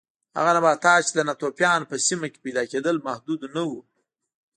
هغه نباتات چې د ناتوفیانو په سیمه کې پیدا کېدل محدود نه و